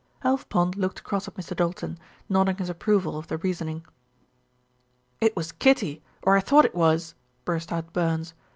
Alf Pond looked across at Mr. Doulton, nodding his approval of the reasoning. "It was Kitty, or I thought it was," burst out Burns.